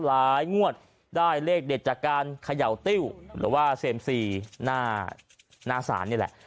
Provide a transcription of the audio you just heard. งวดได้เลขเด็ดจากการเขย่าติ้วหรือว่าเซ็มซีหน้าศาลนี่แหละ